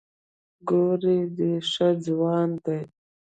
ګوهر ډې ښۀ ځوان دی